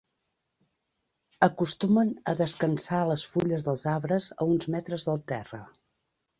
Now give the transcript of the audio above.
Acostumen a descansar a les fulles dels arbres a uns metres del terra.